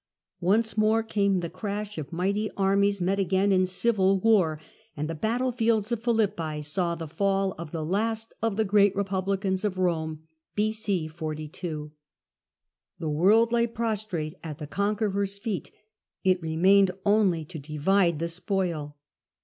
Once more came the crash of mighty armies met again in civil war, and the battle fields of Philippi saw the fall of the last of the great republicans of Rome. The world lay prostrate at the conquerors' feet ; it remained only to divide the spoil.